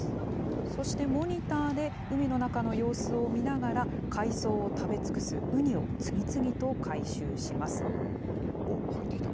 そしてモニターで、海の中の様子を見ながら、海藻を食べ尽くすウニを次々と回収しまおっ、入ってきた。